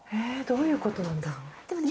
どういうことなんだろうでもね